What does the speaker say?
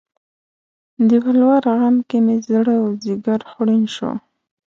د ولور غم کې مې زړه او ځیګر خوړین شو